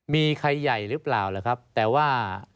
มีใครใหญ่หรือเปล่าหรือครับแต่ว่า